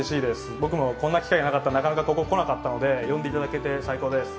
僕もこんな機会がなかったらなかなか、ここ来れなかったので呼んでいただけてうれしいです。